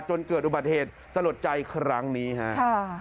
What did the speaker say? จนเกิดอุบัติเหตุสลดใจครั้งนี้ฮะ